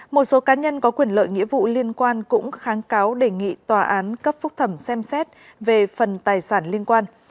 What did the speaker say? một số cá nhân có quyền lợi nghĩa vụ liên quan cũng kháng cáo đề nghị tòa án cấp phúc thẩm xem xét về phần tài sản liên quan